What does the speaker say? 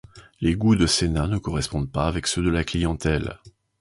Les gouts de Senna ne correspondent pas avec ceux de la clientèle.